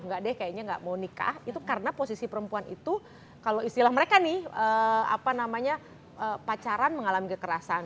enggak deh kayaknya nggak mau nikah itu karena posisi perempuan itu kalau istilah mereka nih apa namanya pacaran mengalami kekerasan